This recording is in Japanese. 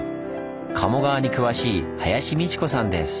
賀茂川に詳しい林倫子さんです。